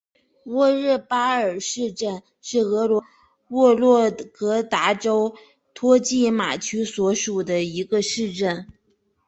沃日巴尔市镇是俄罗斯联邦沃洛格达州托季马区所属的一个市镇。